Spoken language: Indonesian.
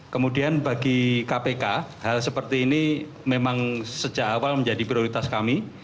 kemudian bagi kpk hal seperti ini memang sejak awal menjadi prioritas kami